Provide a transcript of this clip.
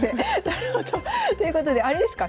なるほど。ということであれですか